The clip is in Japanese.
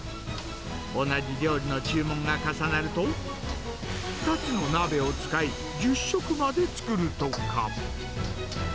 同じ料理の注文が重なると、２つの鍋を使い、１０食まで作るとか。